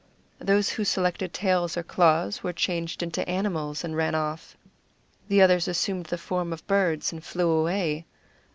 Those who selected tails or claws were changed into animals and ran off; the others assumed the form of birds and flew away.